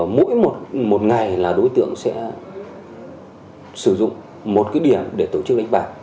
mỗi một ngày là đối tượng sẽ sử dụng một cái điểm để tổ chức đánh bạc